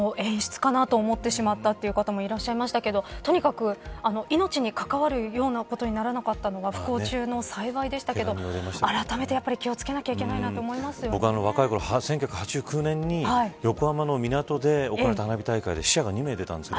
演出かなと思ってしまったという方もいましたがとにかく命に関わるようなことにならなかったのが不幸中の幸いでしたけれどあらためて気を付けないと僕は若いころ１９８９年に横浜の港で行われた花火大会で死者が２名出たんです。